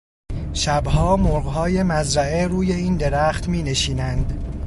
شبها مرغهای مزرعه روی این درخت مینشینند.